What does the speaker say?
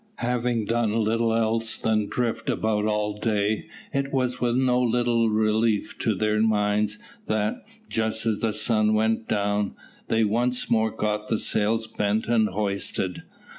Having done little else than drift about all day, it was with no little relief to their minds, that, just as the sun went down, they once more got the sails bent and hoisted.